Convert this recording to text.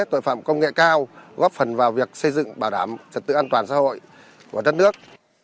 tội phạm công nghệ cao góp phần vào việc xây dựng bảo đảm trật tự an toàn xã hội của đất nước